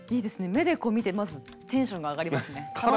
目で見てまずテンションが上がりますね。